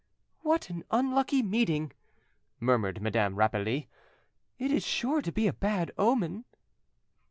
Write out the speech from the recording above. "What an unlucky meeting!" murmured Madame Rapally; "it is sure to be a bad omen."